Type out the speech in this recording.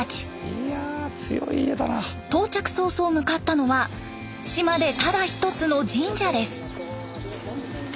到着早々向かったのは島でただ一つの神社です。